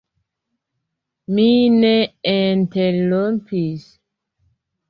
Mi ne interrompis.